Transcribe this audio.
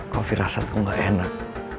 kau firasatku gak enak